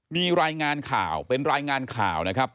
มีรายงานข่าวเป็นรายงานข่าวนะครับ